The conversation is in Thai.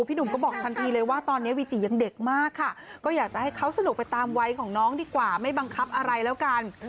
หนุ่มก็บอกทันทีเลยว่าตอนนี้วีจียังเด็กมากค่ะก็อยากจะให้เขาสนุกไปตามวัยของน้องดีกว่าไม่บังคับอะไรแล้วกัน